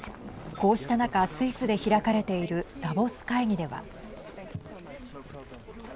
こうした中スイスで開かれているダボス会議では。